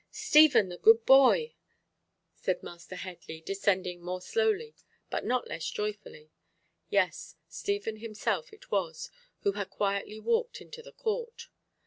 "Stephen, the good boy!" said Master Headley, descending more slowly, but not less joyfully. Yes, Stephen himself it was, who had quietly walked into the court.